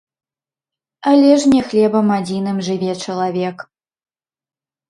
Але ж не хлебам адзіным жыве чалавек.